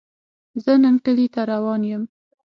زۀ نن کلي ته روان يم